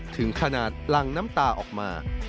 ถึงขนาดลังน้ำตาออกมา